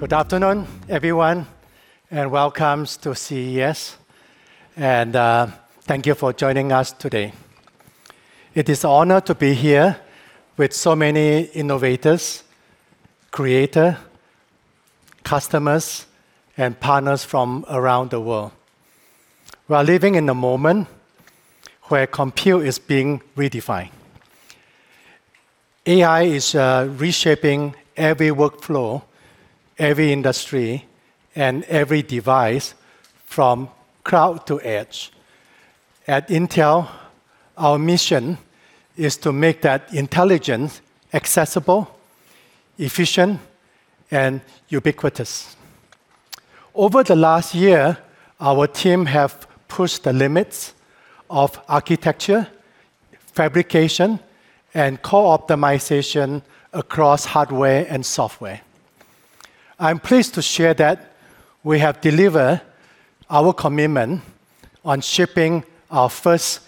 Good afternoon, everyone, and welcome to CES. And thank you for joining us today. It is an honor to be here with so many innovators, creators, customers, and partners from around the world. We are living in a moment where compute is being redefined. AI is reshaping every workflow, every industry, and every device, from cloud to edge. At Intel, our mission is to make that intelligence accessible, efficient, and ubiquitous. Over the last year, our team has pushed the limits of architecture, fabrication, and core optimization across hardware and software. I'm pleased to share that we have delivered our commitment on shipping our first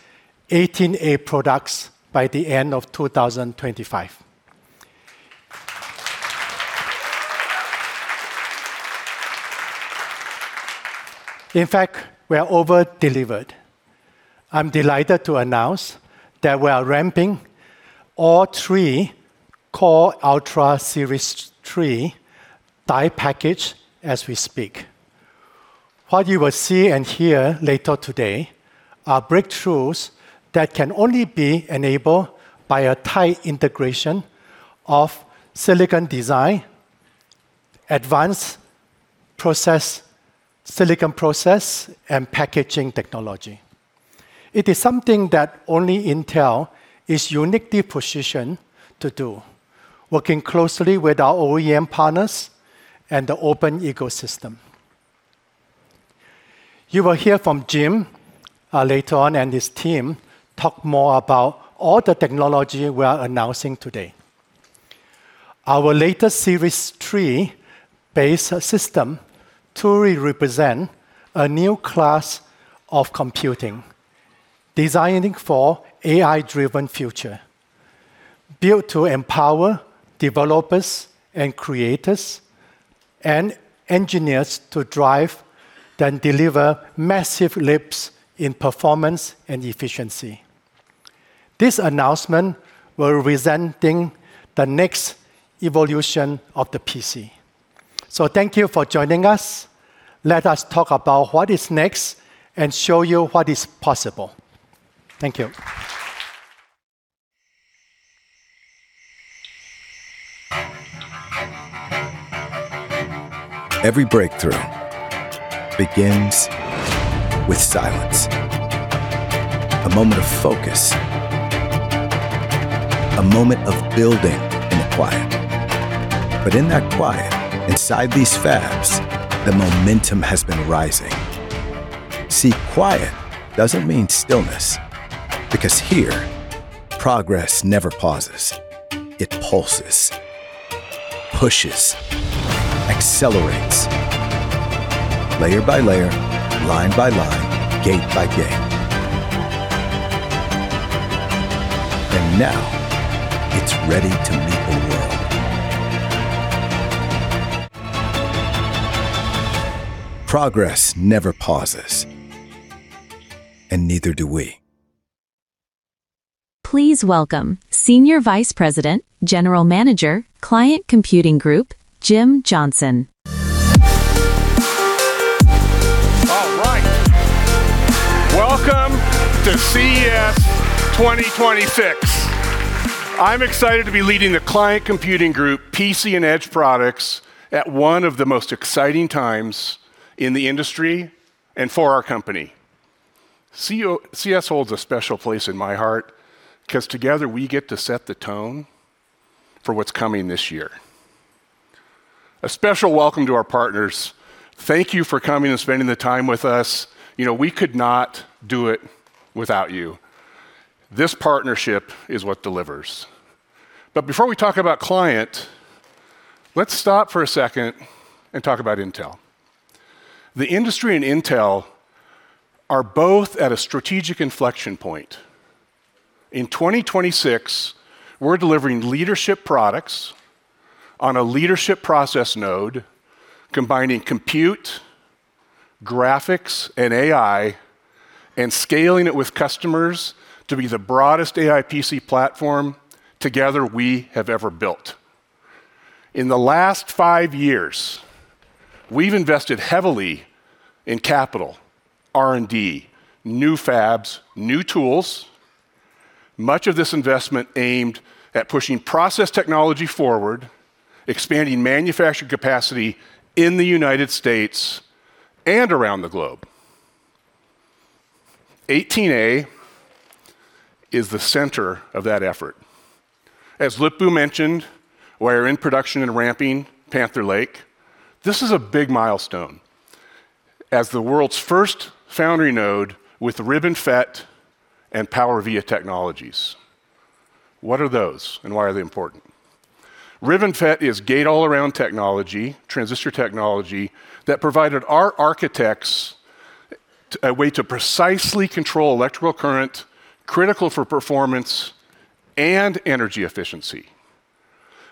18A products by the end of 2025. In fact, we have over-delivered. I'm delighted to announce that we are ramping all three Core Ultra Series 3 die packages as we speak. What you will see and hear later today are breakthroughs that can only be enabled by a tight integration of silicon design, advanced silicon process, and packaging technology. It is something that only Intel is uniquely positioned to do, working closely with our OEM partners and the open ecosystem. You will hear from Jim later on and his team talk more about all the technology we are announcing today. Our latest Series 3 base system truly represents a new class of computing designed for an AI-driven future, built to empower developers and creators and engineers to drive and deliver massive leaps in performance and efficiency. This announcement will represent the next evolution of the PC. So thank you for joining us. Let us talk about what is next and show you what is possible. Thank you. Every breakthrough begins with silence. A moment of focus. A moment of building in quiet. But in that quiet, inside these fabs, the momentum has been rising. See, quiet doesn't mean stillness, because here, progress never pauses. It pulses, pushes, accelerates. Layer by layer, line by line, gate by gate. And now, it's ready to meet the world. Progress never pauses. And neither do we. Please welcome Senior Vice President, General Manager, Client Computing Group, Jim Johnson. All right. Welcome to CES 2026. I'm excited to be leading the Client Computing Group PC and Edge products at one of the most exciting times in the industry and for our company. CES holds a special place in my heart because together we get to set the tone for what's coming this year. A special welcome to our partners. Thank you for coming and spending the time with us. You know, we could not do it without you. This partnership is what delivers. But before we talk about client, let's stop for a second and talk about Intel. The industry and Intel are both at a strategic inflection point. In 2026, we're delivering leadership products on a leadership process node, combining Compute, Graphics, and AI, and scaling it with customers to be the broadest AI PC platform together we have ever built. In the last five years, we've invested heavily in capital, R&D, new fabs, new tools. Much of this investment aimed at pushing process technology forward, expanding manufacturing capacity in the United States and around the globe. 18A is the center of that effort. As Lip-Bu mentioned, we are in production and ramping Panther Lake. This is a big milestone as the world's first foundry node with RibbonFET and PowerVia technologies. What are those, and why are they important? RibbonFET is Gate-All-Around technology, transistor technology that provided our architects a way to precisely control electrical current, critical for performance and energy efficiency.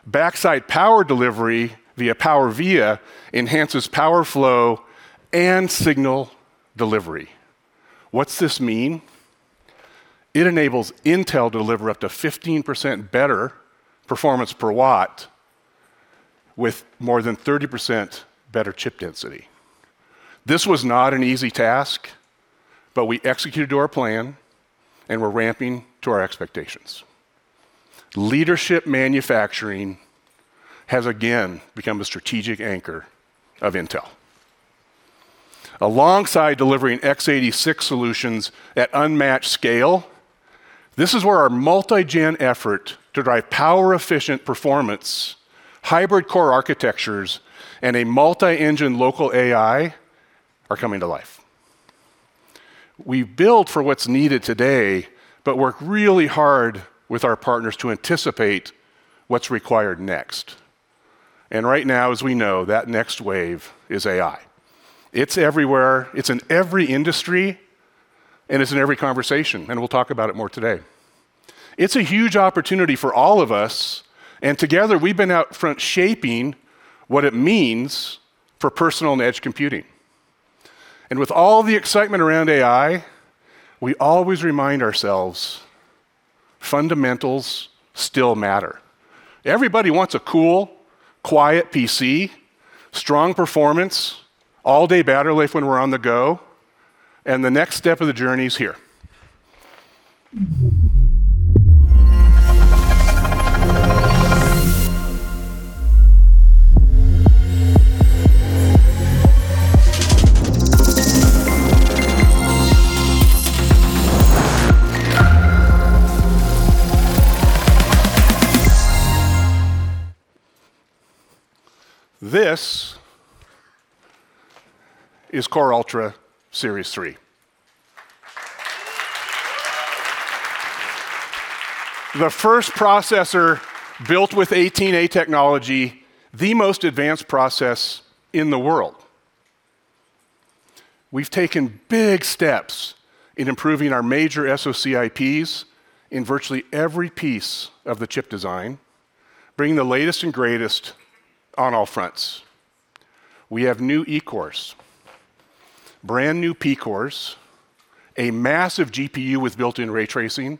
Backside Power Delivery via PowerVia enhances power flow and signal delivery. What's this mean? It enables Intel to deliver up to 15% better performance per watt with more than 30% better chip density. This was not an easy task, but we executed our plan and we're ramping to our expectations. Leadership manufacturing has again become a strategic anchor of Intel. Alongside delivering x86 solutions at unmatched scale, this is where our multi-gen effort to drive power-efficient performance, hybrid core architectures, and a multi-engine local AI are coming to life. We build for what's needed today, but work really hard with our partners to anticipate what's required next. And right now, as we know, that next wave is AI. It's everywhere. It's in every industry, and it's in every conversation. And we'll talk about it more today. It's a huge opportunity for all of us. And together, we've been out front shaping what it means for personal and edge computing. And with all the excitement around AI, we always remind ourselves, fundamentals still matter. Everybody wants a cool, quiet PC, strong performance, all-day battery life when we're on the go, and the next step of the journey is here. This is Core Ultra Series 3. The first processor built with 18A technology, the most advanced process in the world. We've taken big steps in improving our major SoC IPs in virtually every piece of the chip design, bringing the latest and greatest on all fronts. We have new E-cores, brand new P-cores, a massive GPU with built-in ray tracing,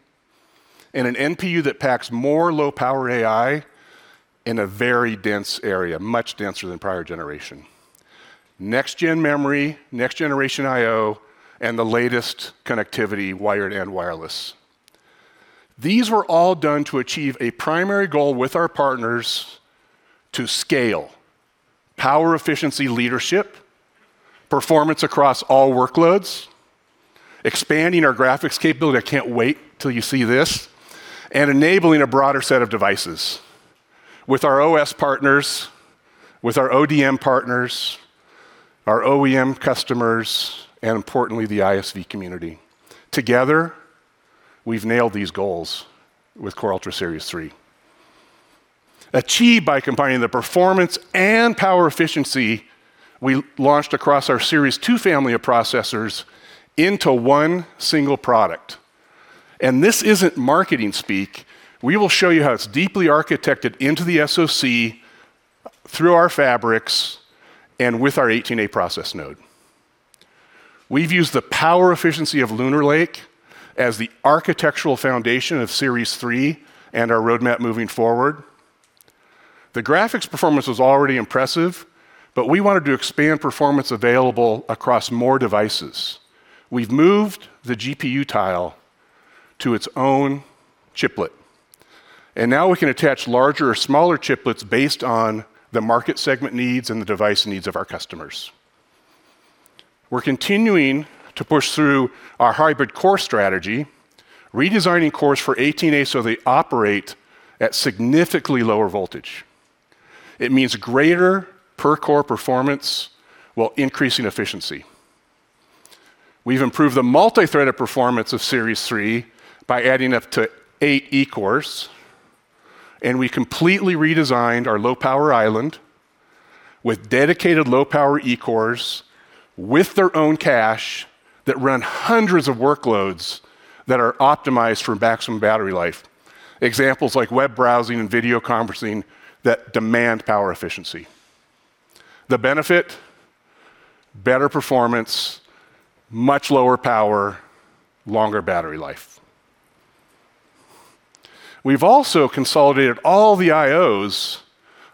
and an NPU that packs more low-power AI in a very dense area, much denser than prior generation. Next-gen memory, next-generation I/O, and the latest connectivity, wired and wireless. These were all done to achieve a primary goal with our partners to scale power efficiency, leadership, performance across all workloads, expanding our graphics capability. I can't wait till you see this, and enabling a broader set of devices with our OS partners, with our ODM partners, our OEM customers, and importantly, the ISV community. Together, we've nailed these goals with Core Ultra Series 3, achieved by combining the performance and power efficiency we launched across our Series 2 family of processors into one single product, and this isn't marketing speak. We will show you how it's deeply architected into the SoC through our fabrics and with our 18A process node. We've used the power efficiency of Lunar Lake as the architectural foundation of Series 3 and our roadmap moving forward. The graphics performance was already impressive, but we wanted to expand performance available across more devices. We've moved the GPU tile to its own chiplet. Now we can attach larger or smaller chiplets based on the market segment needs and the device needs of our customers. We're continuing to push through our hybrid core strategy, redesigning cores for 18A so they operate at significantly lower voltage. It means greater per-core performance while increasing efficiency. We've improved the multi-threaded performance of Series 3 by adding up to eight E-cores. We completely redesigned our low-power island with dedicated low-power E-cores with their own cache that run hundreds of workloads that are optimized for maximum battery life. Examples like web browsing and video conferencing that demand power efficiency. The benefit? Better performance, much lower power, longer battery life. We've also consolidated all the I/Os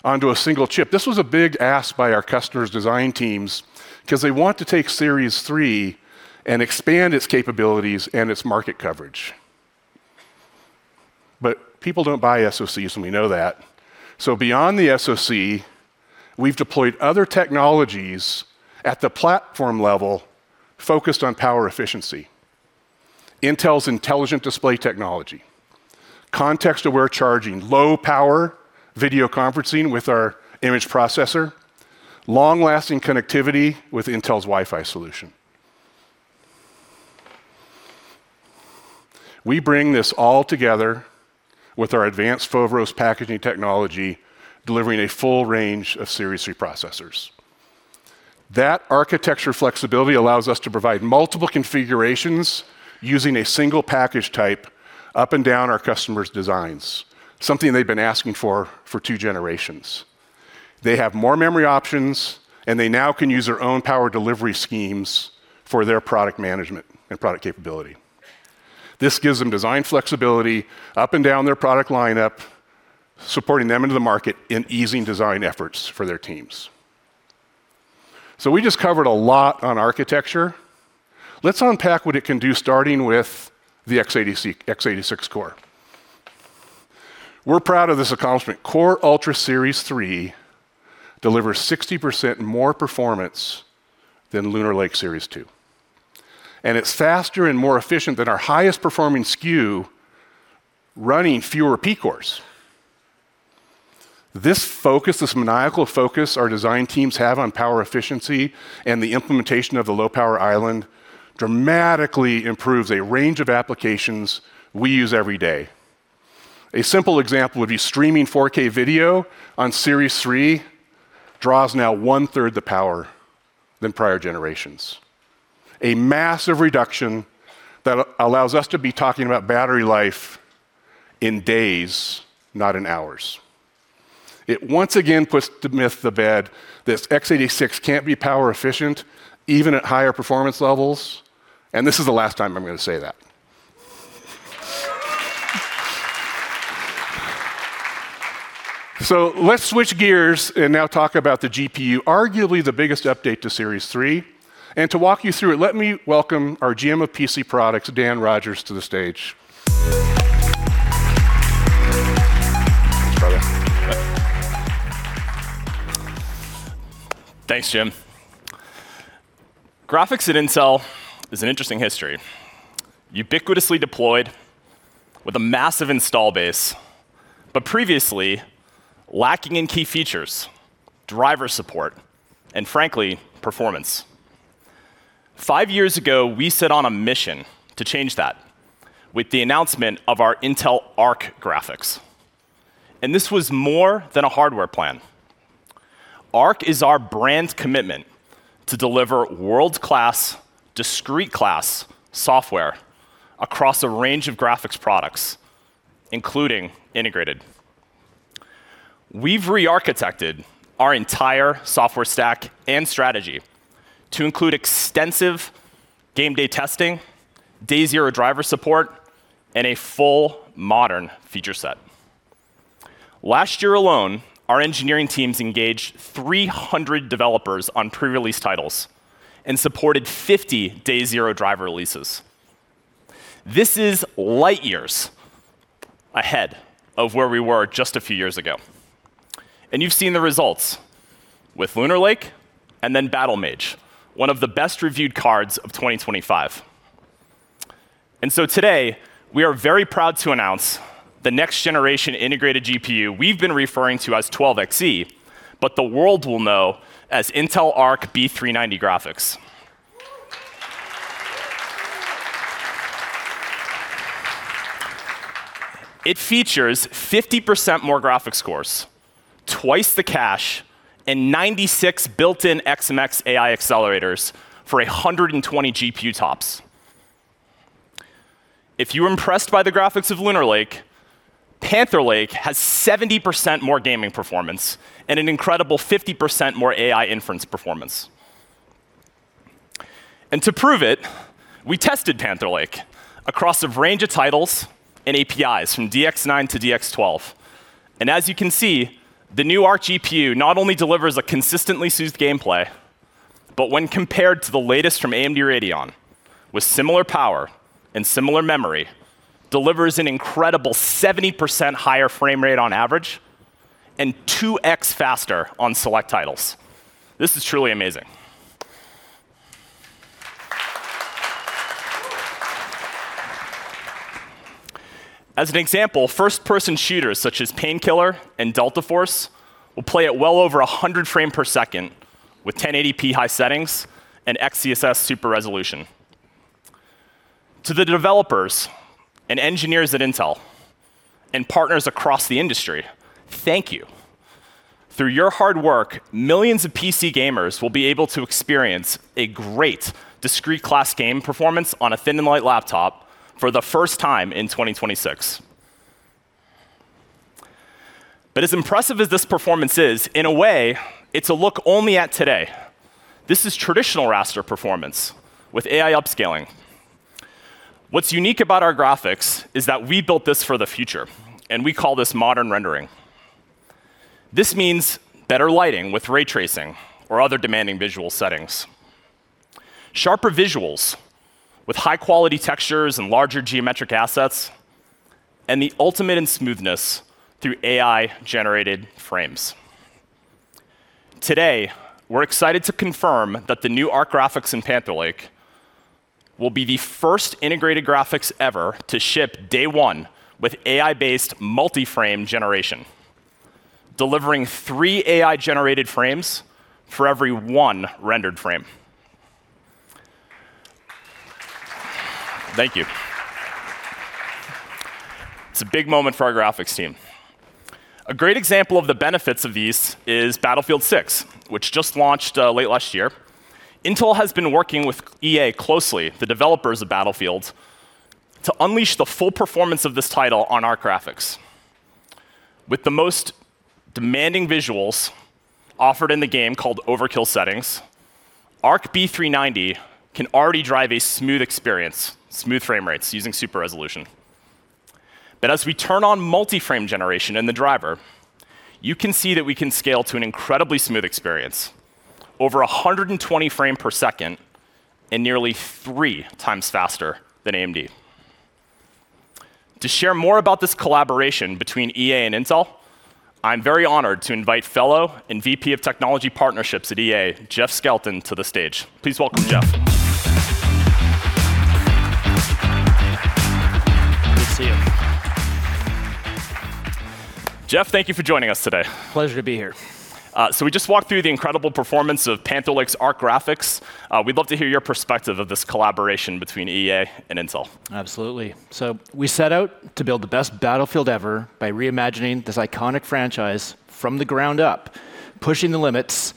onto a single chip. This was a big ask by our customers' design teams because they want to take Series 3 and expand its capabilities and its market coverage. But people don't buy SoCs, and we know that. So beyond the SoC, we've deployed other technologies at the platform level focused on power efficiency. Intel's Intelligent Display Technology, context-aware charging, low-power video conferencing with our image processor, long-lasting connectivity with Intel's Wi-Fi solution. We bring this all together with our advanced Foveros packaging technology, delivering a full range of Series 3 processors. That architecture flexibility allows us to provide multiple configurations using a single package type up and down our customers' designs, something they've been asking for two generations. They have more memory options, and they now can use their own power delivery schemes for their product management and product capability. This gives them design flexibility up and down their product lineup, supporting them into the market and easing design efforts for their teams. So we just covered a lot on architecture. Let's unpack what it can do starting with the x86 core. We're proud of this accomplishment. Core Ultra Series 3 delivers 60% more performance than Lunar Lake Series 2. And it's faster and more efficient than our highest-performing SKU running fewer P-cores. This focus, this maniacal focus our design teams have on power efficiency and the implementation of the low-power island dramatically improves a range of applications we use every day. A simple example would be streaming 4K video. On Series 3 draws now one-third the power than prior generations. A massive reduction that allows us to be talking about battery life in days, not in hours. It once again puts the myth to bed that x86 can't be power efficient even at higher performance levels. And this is the last time I'm going to say that. So let's switch gears and now talk about the GPU, arguably the biggest update to Series 3. And to walk you through it, let me welcome our GM of PC products, Dan Rogers, to the stage. Thanks, Jim. Graphics at Intel is an interesting history. Ubiquitously deployed with a massive install base, but previously lacking in key features, driver support, and frankly, performance. Five years ago, we set out on a mission to change that with the announcement of our Intel Arc graphics. And this was more than a hardware plan. Arc is our brand's commitment to deliver world-class, discrete-class software across a range of graphics products, including integrated. We've re-architected our entire software stack and strategy to include extensive game day testing, day zero driver support, and a full modern feature set. Last year alone, our engineering teams engaged 300 developers on pre-release titles and supported 50 Day 0 driver releases. This is light years ahead of where we were just a few years ago. And you've seen the results with Lunar Lake and then Battlemage, one of the best-reviewed cards of 2025. And so today, we are very proud to announce the next-generation integrated GPU we've been referring to as 12 Xe, but the world will know as Intel Arc B390 graphics. It features 50% more graphics cores, twice the cache, and 96 built-in XMX AI accelerators for 120 GPU TOPS. If you're impressed by the graphics of Lunar Lake, Panther Lake has 70% more gaming performance and an incredible 50% more AI inference performance. And to prove it, we tested Panther Lake across a range of titles and APIs from DX9-DX12. And as you can see, the new Arc GPU not only delivers a consistently smooth gameplay, but when compared to the latest from AMD Radeon with similar power and similar memory, delivers an incredible 70% higher frame rate on average and 2x faster on select titles. This is truly amazing. As an example, first-person shooters such as Painkiller and Delta Force will play at well over 100 frames per second with 1080p high settings and XeSS Super Resolution. To the developers and engineers at Intel and partners across the industry, thank you. Through your hard work, millions of PC gamers will be able to experience a great discrete-class game performance on a thin and light laptop for the first time in 2026. But as impressive as this performance is, in a way, it's a look only at today. This is traditional raster performance with AI upscaling. What's unique about our graphics is that we built this for the future, and we call this modern rendering. This means better lighting with ray tracing or other demanding visual settings, sharper visuals with high-quality textures and larger geometric assets, and the ultimate in smoothness through AI-generated frames. Today, we're excited to confirm that the new Arc graphics in Panther Lake will be the first integrated graphics ever to ship day one with AI-based multi-frame generation, delivering three AI-generated frames for every one rendered frame. Thank you. It's a big moment for our graphics team. A great example of the benefits of these is Battlefield 6, which just launched late last year. Intel has been working with EA closely, the developers of Battlefield, to unleash the full performance of this title on Arc graphics. With the most demanding visuals offered in the game called overkill settings, Arc B390 can already drive a smooth experience, smooth frame rates using super resolution. But as we turn on multi-frame generation in the driver, you can see that we can scale to an incredibly smooth experience, over 120 frames per second and nearly three times faster than AMD. To share more about this collaboration between EA and Intel, I'm very honored to invite Fellow and VP of Technology Partnerships at EA, Jeff Skelton, to the stage. Please welcome Jeff. Good to see you. Jeff, thank you for joining us today. Pleasure to be here. So we just walked through the incredible performance of Panther Lake's Arc graphics. We'd love to hear your perspective of this collaboration between EA and Intel. Absolutely, so we set out to build the best Battlefield ever by reimagining this iconic franchise from the ground up, pushing the limits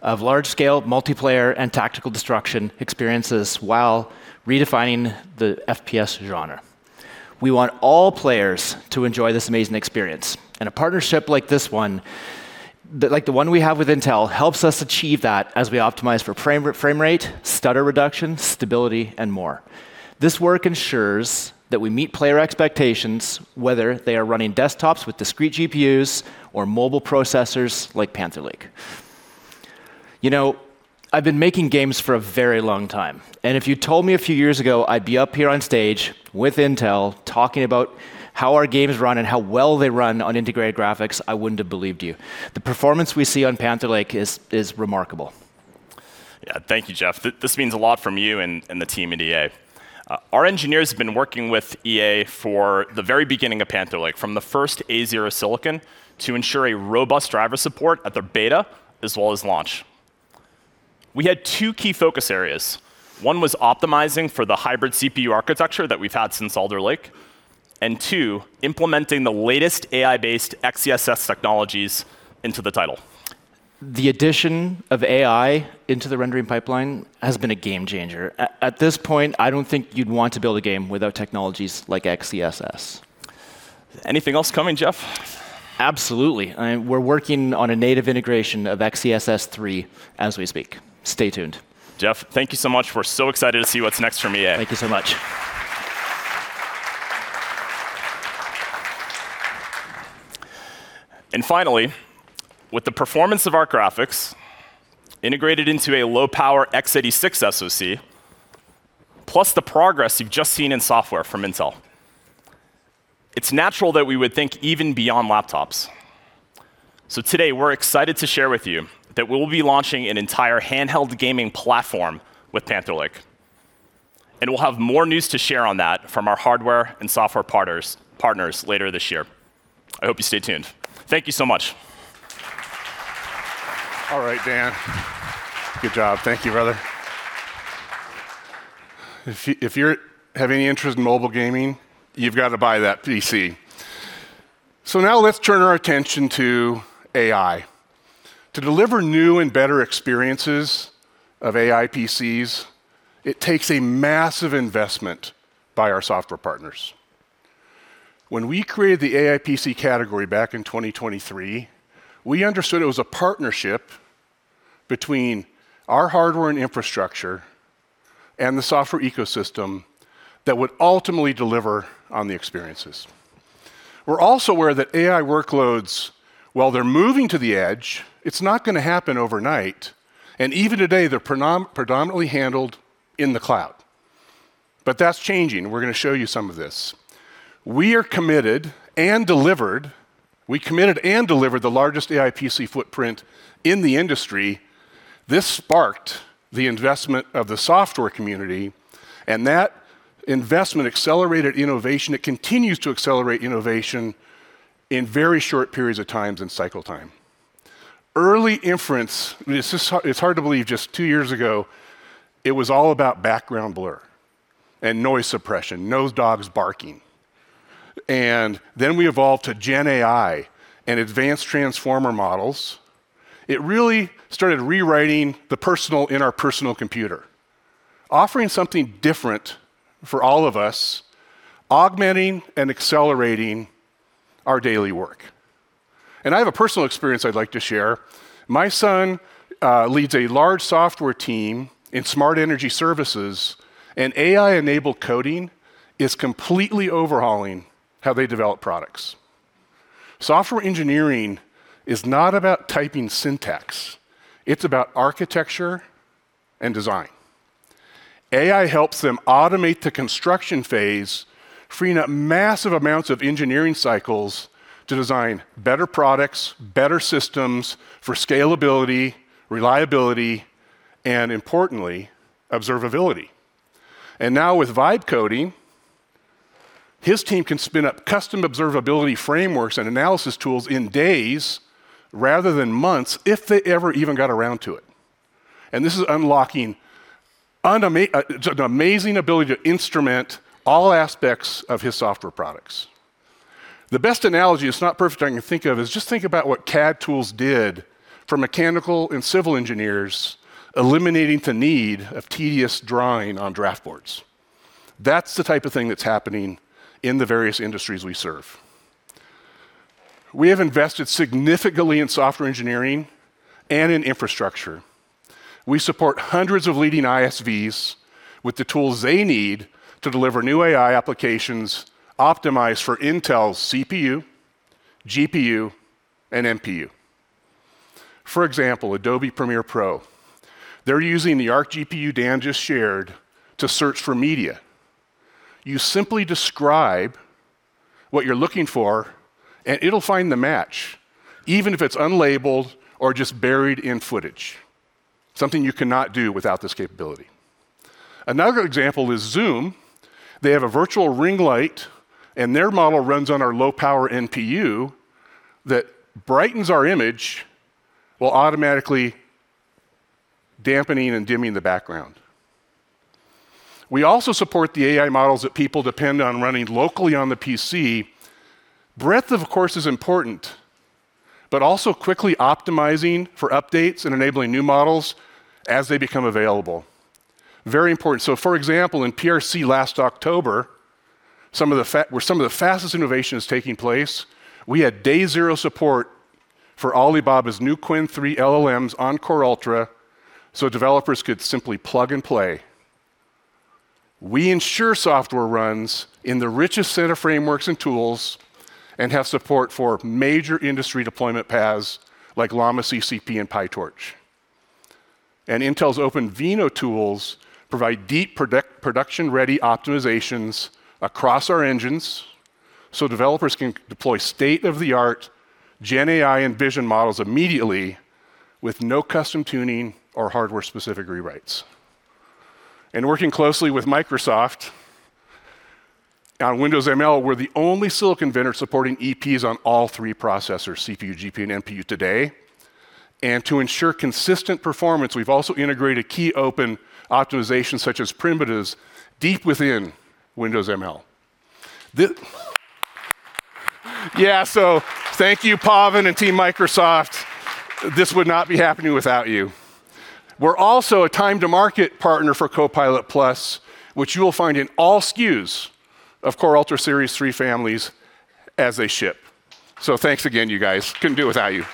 of large-scale multiplayer and tactical destruction experiences while redefining the FPS genre. We want all players to enjoy this amazing experience, and a partnership like this one, like the one we have with Intel, helps us achieve that as we optimize for frame rate, stutter reduction, stability, and more. This work ensures that we meet player expectations, whether they are running desktops with discrete GPUs or mobile processors like Panther Lake. You know, I've been making games for a very long time, and if you told me a few years ago, I'd be up here on stage with Intel talking about how our games run and how well they run on integrated graphics, I wouldn't have believed you. The performance we see on Panther Lake is remarkable. Yeah, thank you, Jeff. This means a lot from you and the team at EA. Our engineers have been working with EA for the very beginning of Panther Lake, from the first A0 silicon to ensure a robust driver support at their beta as well as launch. We had two key focus areas. One was optimizing for the hybrid CPU architecture that we've had since Alder Lake, and two, implementing the latest AI-based XeSS technologies into the title. The addition of AI into the rendering pipeline has been a game changer. At this point, I don't think you'd want to build a game without technologies like XeSS. Anything else coming, Jeff? Absolutely. We're working on a native integration of XeSS 3 as we speak. Stay tuned. Jeff, thank you so much. We're so excited to see what's next from EA. Thank you so much. Finally, with the performance of our graphics integrated into a low-power x86 SoC, plus the progress you've just seen in software from Intel, it's natural that we would think even beyond laptops. Today, we're excited to share with you that we'll be launching an entire handheld gaming platform with Panther Lake. We'll have more news to share on that from our hardware and software partners later this year. I hope you stay tuned. Thank you so much. All right, Dan. Good job. Thank you, brother. If you have any interest in mobile gaming, you've got to buy that PC. So now let's turn our attention to AI. To deliver new and better experiences of AI PCs, it takes a massive investment by our software partners. When we created the AI PC category back in 2023, we understood it was a partnership between our hardware and infrastructure and the software ecosystem that would ultimately deliver on the experiences. We're also aware that AI workloads, while they're moving to the edge, it's not going to happen overnight. And even today, they're predominantly handled in the cloud. But that's changing. We're going to show you some of this. We committed and delivered the largest AI PC footprint in the industry. This sparked the investment of the software community, and that investment accelerated innovation. It continues to accelerate innovation in very short periods of time and cycle time. Early inference, it's hard to believe, just two years ago, it was all about background blur and noise suppression, no dogs barking, and then we evolved to GenAI and advanced transformer models. It really started rewriting the personal in our personal computer, offering something different for all of us, augmenting and accelerating our daily work, and I have a personal experience I'd like to share. My son leads a large software team in smart energy services, and AI-enabled coding is completely overhauling how they develop products. Software engineering is not about typing syntax. It's about architecture and design. AI helps them automate the construction phase, freeing up massive amounts of engineering cycles to design better products, better systems for scalability, reliability, and importantly, observability. Now with Vibe Coding, his team can spin up custom observability frameworks and analysis tools in days rather than months if they ever even got around to it. This is unlocking an amazing ability to instrument all aspects of his software products. The best analogy, it's not perfect I can think of, is just think about what CAD tools did for mechanical and civil engineers, eliminating the need of tedious drawing on draft boards. That's the type of thing that's happening in the various industries we serve. We have invested significantly in software engineering and in infrastructure. We support hundreds of leading ISVs with the tools they need to deliver new AI applications optimized for Intel's CPU, GPU, and NPU. For example, Adobe Premiere Pro, they're using the Arc GPU Dan just shared to search for media. You simply describe what you're looking for, and it'll find the match, even if it's unlabeled or just buried in footage, something you cannot do without this capability. Another example is Zoom. They have a virtual ring light, and their model runs on our low-power NPU that brightens our image while automatically dampening and dimming the background. We also support the AI models that people depend on running locally on the PC. Breadth of, of course, is important, but also quickly optimizing for updates and enabling new models as they become available. Very important, so for example, in PRC last October, where some of the fastest innovation is taking place, we had day zero support for Alibaba's new Qwen 3 LLMs on Core Ultra, so developers could simply plug and play. We ensure software runs in the richest set of frameworks and tools and have support for major industry deployment paths like llama.cpp and PyTorch. Intel's OpenVINO tools provide deep production-ready optimizations across our engines, so developers can deploy state-of-the-art GenAI and Vision models immediately with no custom tuning or hardware-specific rewrites. Working closely with Microsoft on Windows ML, we're the only silicon vendor supporting APIs on all three processors: CPU, GPU, and NPU today. To ensure consistent performance, we've also integrated key open optimizations such as primitives deep within Windows ML. Yeah, so thank you, Pavan and Team Microsoft. This would not be happening without you. We're also a time-to-market partner for Copilot+, which you will find in all SKUs of Core Ultra Series 3 families as they ship. Thanks again, you guys. Couldn't do it without you.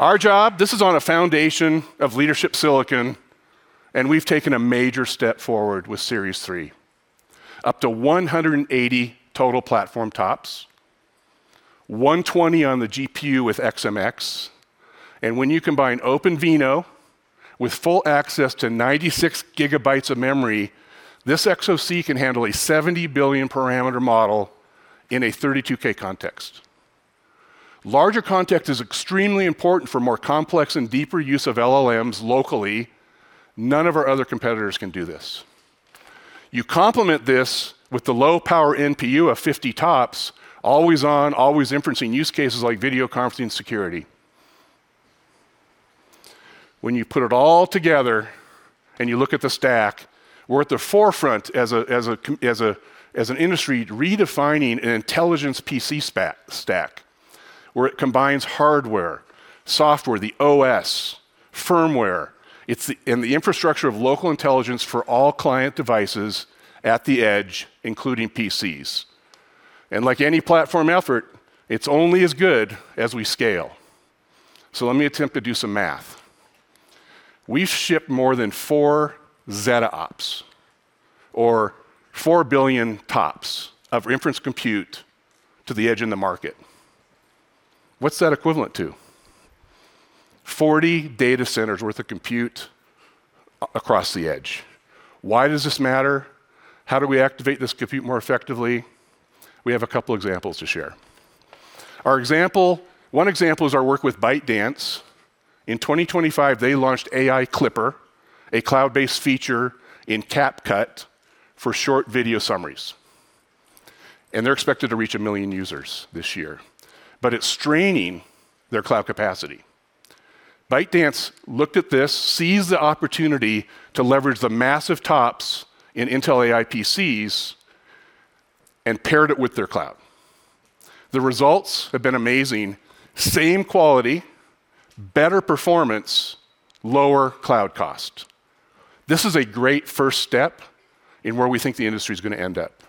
Our job, this is on a foundation of leadership silicon, and we've taken a major step forward with Series 3, up to 180 total platform TOPS, 120 on the GPU with XMX, and when you combine OpenVINO with full access to 96 GB of memory, this SoC can handle a 70 billion parameter model in a 32K context. Larger context is extremely important for more complex and deeper use of LLMs locally. None of our other competitors can do this. You complement this with the low-power NPU of 50 TOPS, always on, always inferencing use cases like video conferencing security. When you put it all together and you look at the stack, we're at the forefront as an industry redefining an intelligence PC stack where it combines hardware, software, the OS, firmware, and the infrastructure of local intelligence for all client devices at the edge, including PCs. Like any platform effort, it's only as good as we scale. Let me attempt to do some math. We ship more than four ZettaOps, or four billion TOPS of inference compute to the edge in the market. What's that equivalent to? 40 data centers worth of compute across the edge. Why does this matter? How do we activate this compute more effectively? We have a couple of examples to share. One example is our work with ByteDance. In 2025, they launched AI Clipper, a cloud-based feature in CapCut for short video summaries. They're expected to reach a million users this year. It's straining their cloud capacity. ByteDance looked at this, seized the opportunity to leverage the massive TOPS in Intel AI PCs and paired it with their cloud. The results have been amazing. Same quality, better performance, lower cloud cost. This is a great first step in where we think the industry is going to end up.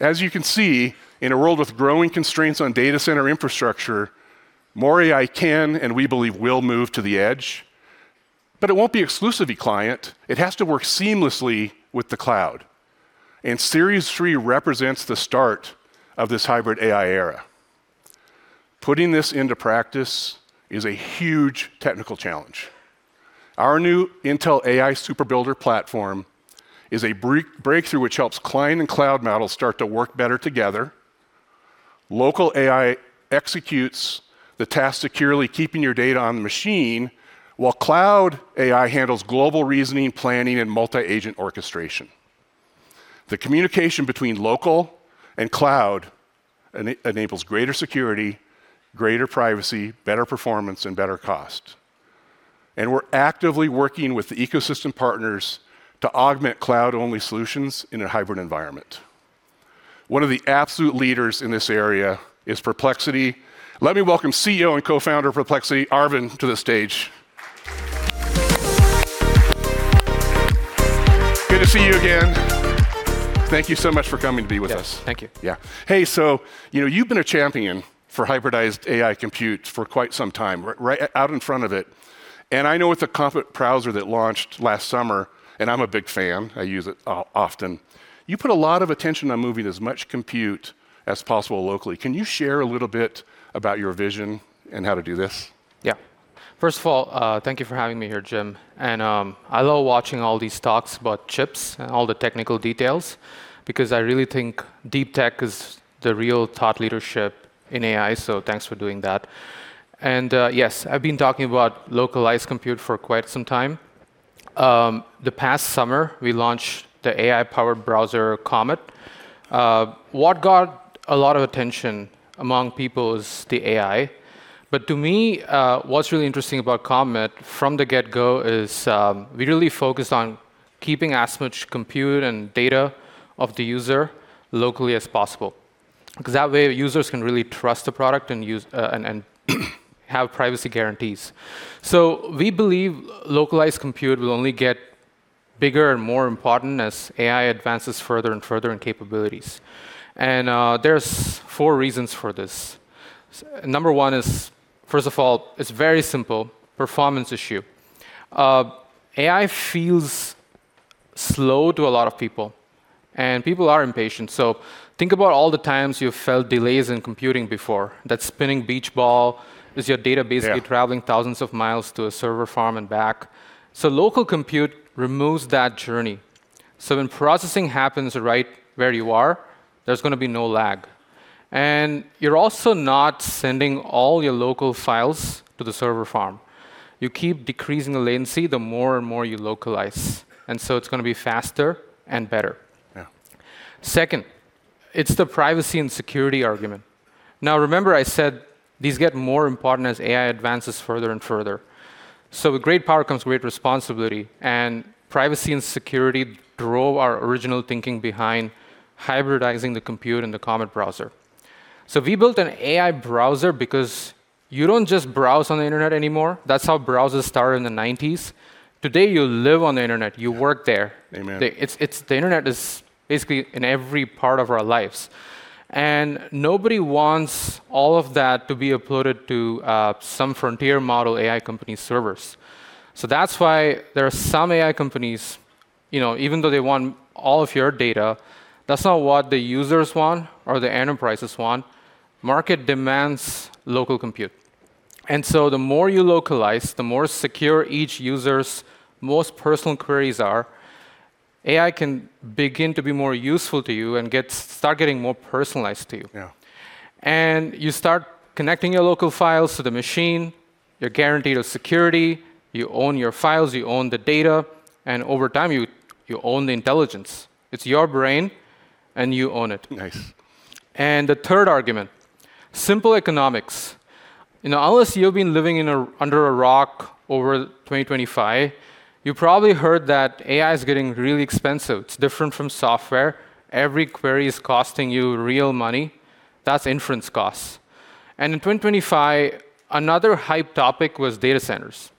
As you can see, in a world with growing constraints on data center infrastructure, more AI can, and we believe will, move to the edge. But it won't be exclusively client. It has to work seamlessly with the cloud. And Series 3 represents the start of this hybrid AI era. Putting this into practice is a huge technical challenge. Our new Intel AI Super Builder platform is a breakthrough which helps client and cloud models start to work better together. Local AI executes the task securely, keeping your data on the machine, while cloud AI handles global reasoning, planning, and multi-agent orchestration. The communication between local and cloud enables greater security, greater privacy, better performance, and better cost. We're actively working with the ecosystem partners to augment cloud-only solutions in a hybrid environment. One of the absolute leaders in this area is Perplexity. Let me welcome CEO and co-founder of Perplexity, Aravind, to the stage. Good to see you again. Thank you so much for coming to be with us. Thank you. Yeah. Hey, so you've been a champion for hybridized AI compute for quite some time, right out in front of it, and I know with the Comet Browser that launched last summer, and I'm a big fan. I use it often. You put a lot of attention on moving as much compute as possible locally. Can you share a little bit about your vision and how to do this? Yeah. First of all, thank you for having me here, Jim. And I love watching all these talks about chips and all the technical details because I really think deep tech is the real thought leadership in AI. So thanks for doing that. And yes, I've been talking about localized compute for quite some time. The past summer, we launched the AI-powered browser Comet. What got a lot of attention among people is the AI. But to me, what's really interesting about Comet from the get-go is we really focused on keeping as much compute and data of the user locally as possible because that way users can really trust the product and have privacy guarantees. So we believe localized compute will only get bigger and more important as AI advances further and further in capabilities. And there's four reasons for this. Number one is, first of all, it's very simple: performance issue. AI feels slow to a lot of people, and people are impatient. So think about all the times you've felt delays in computing before. That spinning beach ball is your database traveling thousands of miles to a server farm and back. So local compute removes that journey. So when processing happens right where you are, there's going to be no lag. And you're also not sending all your local files to the server farm. You keep decreasing the latency the more and more you localize. And so it's going to be faster and better. Yeah. Second, it's the privacy and security argument. Now, remember I said these get more important as AI advances further and further. With great power comes great responsibility, and privacy and security drove our original thinking behind hybridizing the compute and the Comet browser. We built an AI browser because you don't just browse on the internet anymore. That's how browsers started in the '90s. Today, you live on the internet. You work there. Amen. The internet is basically in every part of our lives, and nobody wants all of that to be uploaded to some frontier model AI company servers, so that's why there are some AI companies, even though they want all of your data, that's not what the users want or the enterprises want. Market demands local compute, and so the more you localize, the more secure each user's most personal queries are. AI can begin to be more useful to you and start getting more personalized to you. Yeah. And you start connecting your local files to the machine. You're guaranteed of security. You own your files. You own the data. And over time, you own the intelligence. It's your brain, and you own it. Nice. The third argument, simple economics. Unless you've been living under a rock over 2025, you probably heard that AI is getting really expensive. It's different from software. Every query is costing you real money. That's inference costs. And in 2025, another hype topic was data centers.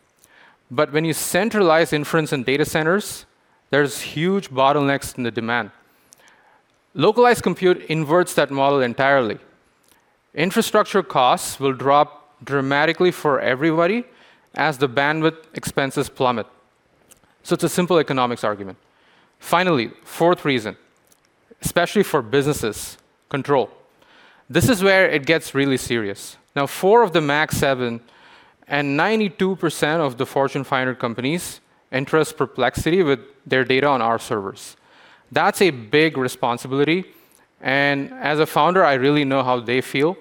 But when you centralize inference and data centers, there's huge bottlenecks in the demand. Localized compute inverts that model entirely. Infrastructure costs will drop dramatically for everybody as the bandwidth expenses plummet. So it's a simple economics argument. Finally, fourth reason, especially for businesses, control. This is where it gets really serious. Now, four of the Mag 7 and 92% of the Fortune 500 companies entrust Perplexity with their data on our servers. That's a big responsibility. And as a founder, I really know how they feel.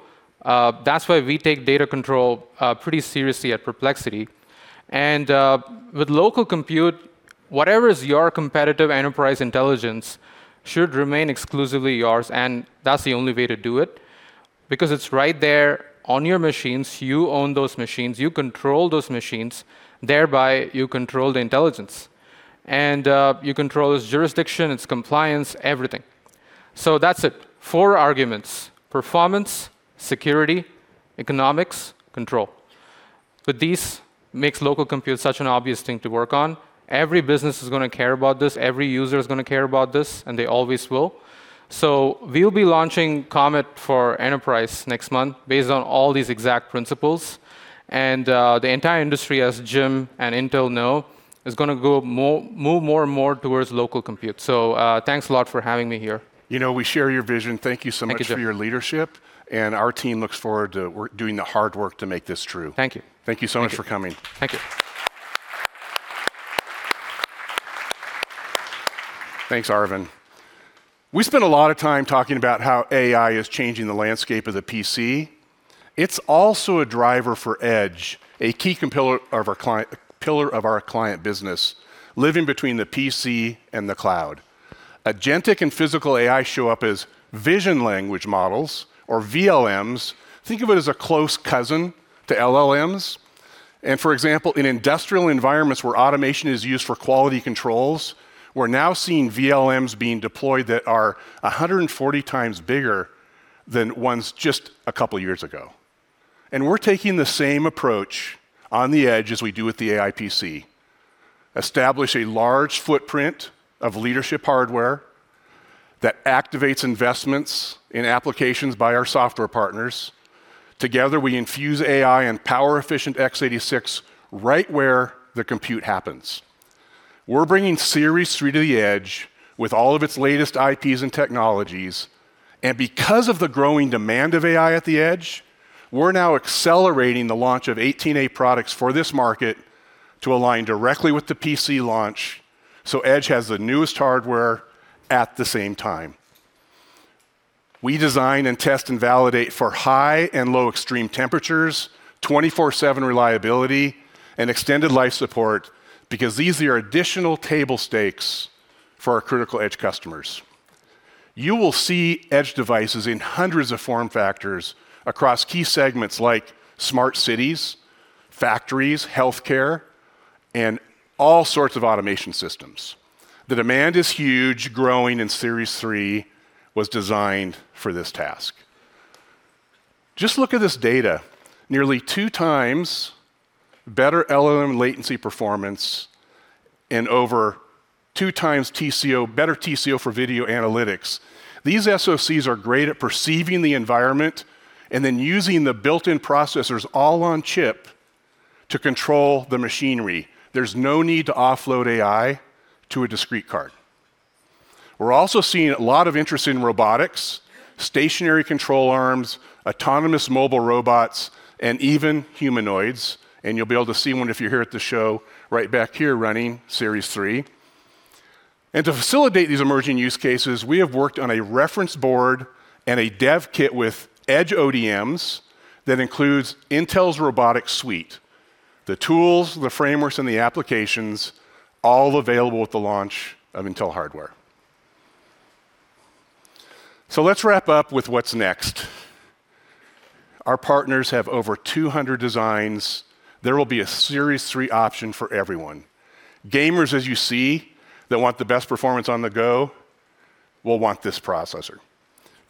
That's why we take data control pretty seriously at Perplexity. And with local compute, whatever is your competitive enterprise intelligence should remain exclusively yours. And that's the only way to do it because it's right there on your machines. You own those machines. You control those machines. Thereby, you control the intelligence. And you control its jurisdiction, its compliance, everything. So that's it. Four arguments, performance, security, economics, control. But these make local compute such an obvious thing to work on. Every business is going to care about this. Every user is going to care about this. And they always will. So we'll be launching Comet for enterprise next month based on all these exact principles. And the entire industry, as Jim and Intel know, is going to move more and more towards local compute. So thanks a lot for having me here. You know we share your vision. Thank you so much for your leadership. Thank you. Our team looks forward to doing the hard work to make this true. Thank you. Thank you so much for coming. Thank you. Thanks, Aravind. We spent a lot of time talking about how AI is changing the landscape of the PC. It's also a driver for edge, a key pillar of our client business, living between the PC and the cloud. Agentic and physical AI show up as Vision Language Models, or VLMs. Think of it as a close cousin to LLMs. And for example, in industrial environments where automation is used for quality controls, we're now seeing VLMs being deployed that are 140x bigger than ones just a couple of years ago. And we're taking the same approach on the edge as we do with the AI PC, establish a large footprint of leadership hardware that activates investments in applications by our software partners. Together, we infuse AI and power-efficient x86 right where the compute happens. We're bringing Series 3 to the edge with all of its latest IPs and technologies, and because of the growing demand of AI at the edge, we're now accelerating the launch of 18A products for this market to align directly with the PC launch so edge has the newest hardware at the same time. We design and test and validate for high and low extreme temperatures, 24/7 reliability, and extended life support because these are additional table stakes for our critical edge customers. You will see edge devices in hundreds of form factors across key segments like smart cities, factories, healthcare, and all sorts of automation systems. The demand is huge. Growing in Series 3 was designed for this task. Just look at this data. Nearly two times better LLM latency performance and over 2x better TCO for video analytics. These SoCs are great at perceiving the environment and then using the built-in processors all on chip to control the machinery. There's no need to offload AI to a discrete card. We're also seeing a lot of interest in robotics, stationary control arms, autonomous mobile robots, and even humanoids. And you'll be able to see one if you're here at the show right back here running Series 3. And to facilitate these emerging use cases, we have worked on a reference board and a dev kit with edge ODMs that includes Intel's robotics suite, the tools, the frameworks, and the applications all available at the launch of Intel hardware. So let's wrap up with what's next. Our partners have over 200 designs. There will be a Series 3 option for everyone. Gamers, as you see, that want the best performance on the go will want this processor.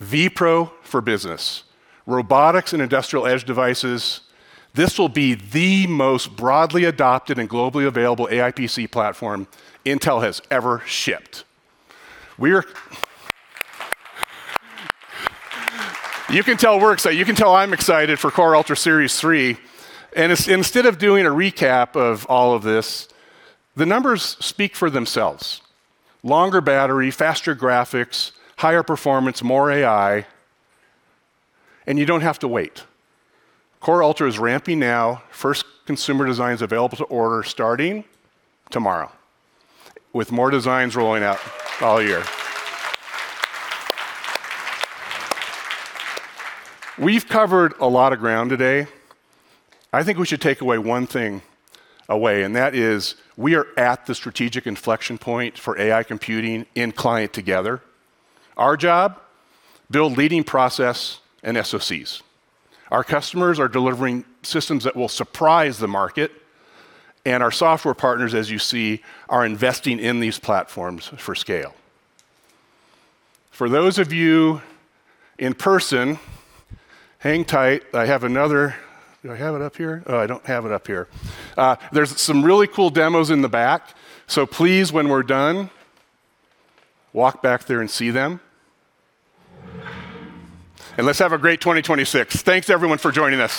vPro for business, robotics, and industrial edge devices. This will be the most broadly adopted and globally available AI PC platform Intel has ever shipped. You can tell we're excited. You can tell I'm excited for Core Ultra Series 3. And instead of doing a recap of all of this, the numbers speak for themselves. Longer battery, faster graphics, higher performance, more AI. And you don't have to wait. Core Ultra is ramping now. First consumer designs available to order starting tomorrow with more designs rolling out all year. We've covered a lot of ground today. I think we should take away one thing. And that is we are at the strategic inflection point for AI computing in client together. Our job, build leading process and SoCs. Our customers are delivering systems that will surprise the market. Our software partners, as you see, are investing in these platforms for scale. For those of you in person, hang tight. I have another. Do I have it up here? Oh, I don't have it up here. There's some really cool demos in the back. Please, when we're done, walk back there and see them. Let's have a great 2026. Thanks, everyone, for joining us.